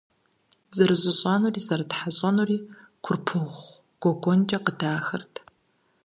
Зэрыжьыщӏэнури зэрытхьэщӏэнури Курпыгъу гуэгуэнкӏэ къыдахырт.